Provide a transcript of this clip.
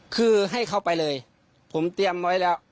คือให้เขาไปเลยผมเตรียมไว้แล้ว